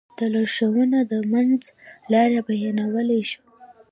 دا لارښوونه د منځ لاره بيانولی شو.